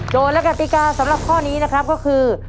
โดยและกติกาสำหรับข้อนี้นะครับก็คือ